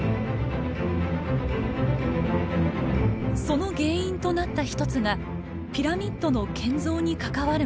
その原因となった一つがピラミッドの建造に関わるもの。